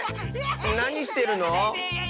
なにしてるの？